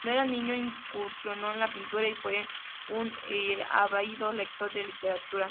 Cuando era niño, incursionó en la pintura y fue un ávido lector de literatura.